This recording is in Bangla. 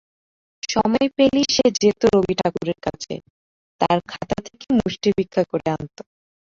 সময় পেলেই সে যেত রবি ঠাকুরের কাছে, তাঁর খাতা থেকে মুষ্টিভিক্ষা করে আনত।